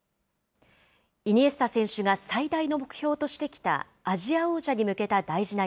イニエスタ選手が最大の目標としてきたアジア王者に向けた大事な